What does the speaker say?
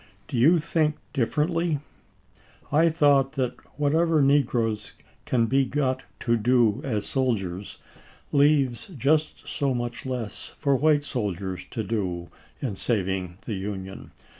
Do you think differ ently ? I thought that whatever negroes can be got to do as soldiers leaves just so much less for white soldiers to do in saving the Union.